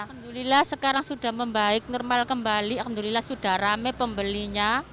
alhamdulillah sekarang sudah membaik normal kembali alhamdulillah sudah rame pembelinya